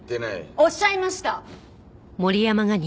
おっしゃいました！